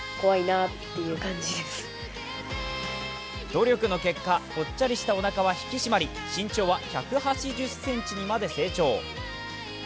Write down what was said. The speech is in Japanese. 努力の結果、ぽっちゃりしたおなかは引き締まり身長は１８０ｃｍにまで成長。